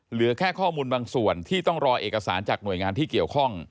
เหลือแค่ข้อมูลบางส่วนที่ต้องรอเอกสารจากหน่วยงานที่เกี่ยวข้อง